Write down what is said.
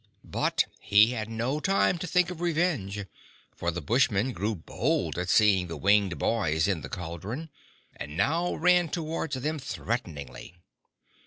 But he had no time to think of revenge, for the Bushmen grew bold at seeing the winged boys in the cauldron, and now ran towards them threateningly.